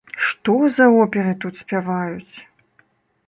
Што за оперы тут спяваюць!